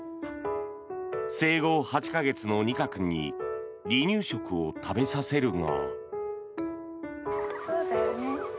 生後８か月の虹翔君に離乳食を食べさせるが。